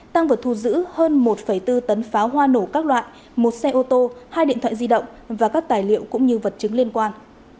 tăng vật thu giữ hơn một bốn tấn pháo hoa nổ các loại một xe ô tô hai điện thoại di động và các tài liệu cũng như vật chứng liên quan